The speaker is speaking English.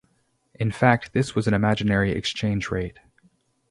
In fact, this was an imaginary exchange rate.